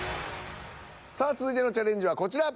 さあ続いてのチャレンジはこちら。